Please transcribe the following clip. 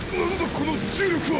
この重力は。